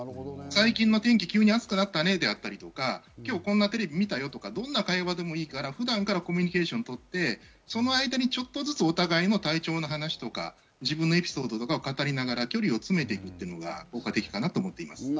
最近の天気、急に暑くなったねであったり、今日こんなテレビ見たよとか、どんな会話でもいいから普段からコミュニケーションをとってその間にちょっとずつお互いの体調の話とか、自分のエピソードを語りながら距離を詰めていくのが効果的だと思います。